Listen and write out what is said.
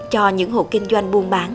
cho những hộ kinh doanh buôn bán